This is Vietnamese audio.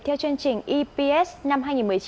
theo chương trình eps năm hai nghìn một mươi chín